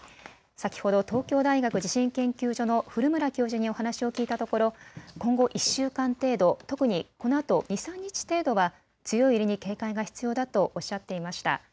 先ほど東京大学地震研究所の古村教授にお話を聞いたところ今後１週間程度、特にこのあと２、３日程度は強い揺れに警戒が必要だとおっしゃっていました。